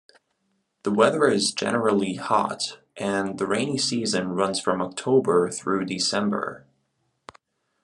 The weather is generally hot and the rainy season runs from October through December.